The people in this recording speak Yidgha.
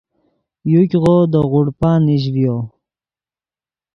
یوګیغو دے غوڑپہ نیش ڤیو